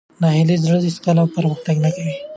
ناهیلي زړه هېڅکله پرمختګ نه کوي.